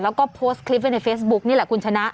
แล้วก็โพสต์คลิปไว้ในเฟซบุ๊กนี่แหละคุณชนะ